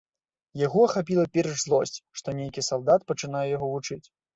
Яго ахапіла перш злосць, што нейкі салдат пачынае яго вучыць.